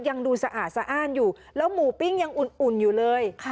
ยังดูสะอาดสะอ้านอยู่แล้วหมูปิ้งยังอุ่นอยู่เลย